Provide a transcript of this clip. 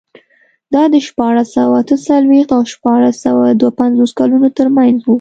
دا د شپاړس سوه اته څلوېښت او شپاړس سوه دوه پنځوس کلونو ترمنځ و.